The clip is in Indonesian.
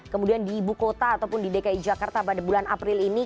kemudian di ibu kota ataupun di dki jakarta pada bulan april ini